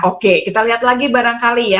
oke kita lihat lagi barangkali ya